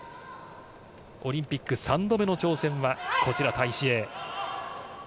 オリンピック３度目の挑戦はこちらタイ・シエイ。